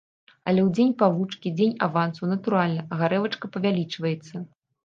Але ў дзень палучкі, дзень авансу, натуральна, гарэлачка павялічваецца.